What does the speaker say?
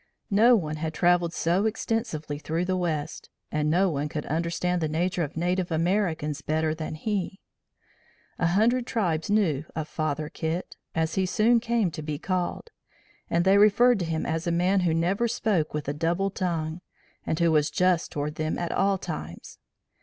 No one had travelled so extensively through the west, and no one could understand the nature of native Americans better than he. A hundred tribes knew of "Father Kit," as he soon came to be called, and they referred to him as a man who never spoke with a "double tongue," and who was just toward them at all times.